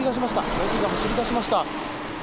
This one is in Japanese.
ヤギが走りだしました。